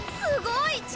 すごい！